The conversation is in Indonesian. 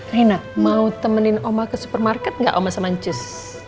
rena mau temenin oma ke supermarket nggak oma samancus